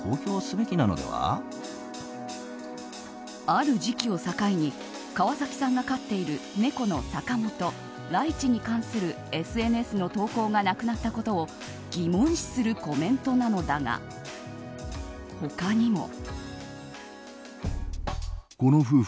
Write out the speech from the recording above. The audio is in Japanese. ある時期を境に川崎さんが飼っている猫のさかもと、ライチに関するＳＮＳの投稿がなくなったことを疑問視するコメントなのだが他にも。